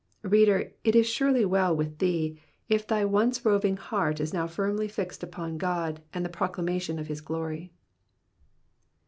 Reader, it is surely well with thee, if thy once roving heart is now firmly fixed upon God and the proclamation of his glory.